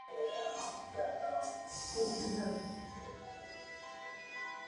他的关于南京大屠杀的照片和马吉拍摄的影像资料与此期间也被没收。